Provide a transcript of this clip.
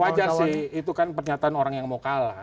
wajar sih itu kan pernyataan orang yang mau kalah